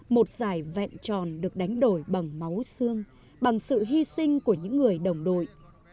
một giải vẹn tròn được đánh đổi bằng máu xương bằng sự hy sinh của những người đồng đội